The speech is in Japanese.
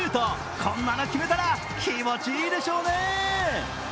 こんなの決めたら気持ちいいでしょうね。